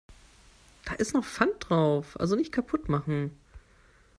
Da ist noch Pfand drauf, also nicht kaputt machen.